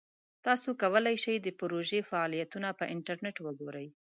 تاسو کولی شئ د پروژې فعالیتونه په انټرنیټ وګورئ.